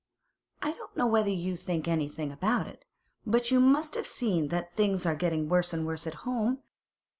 I don't know whether you think anything about it, but you must have seen that things are getting worse and worse at home.